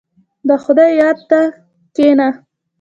• د خدای یاد ته کښېنه.